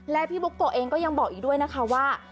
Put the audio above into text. และพี่บุ๊กโกะเองก็ยังบอกอีกด้วยนะคะว่า